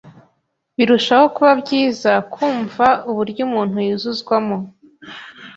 Birushaho kuba byiza kwumva 'uburyo umuntu yuzuzwamo,